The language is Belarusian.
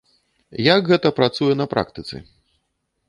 Як гэта працуе на практыцы?